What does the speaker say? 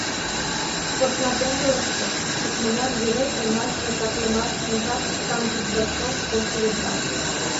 Посна теҥгылыште — икмыняр вере эмальже катлымаш ужар тӱсан вӱд бачок, ош ведра.